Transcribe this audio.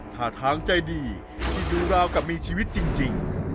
ท่าทางใจดีที่ดูราวกับมีชีวิตจริง